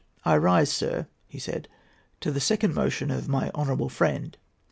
"I rise, sir," he said, "to second the motion of my honourable friend.